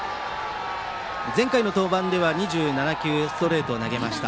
前回の登板では２７球ストレートを投げました。